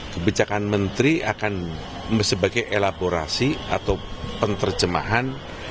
kebijakan menteri akan sebagai elaborasi atau penerjemahan